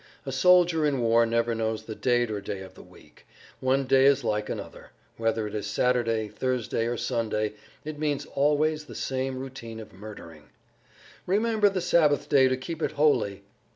A soldier in war never knows the date or day of the week. One day is like another. Whether it is Saturday, Thursday or Sunday, it means always the same routine of murdering. "Remember the Sabbath day to keep it holy!"